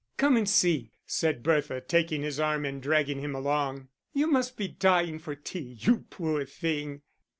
"Come and see," said Bertha, taking his arm and dragging him along. "You must be dying for tea, you poor thing."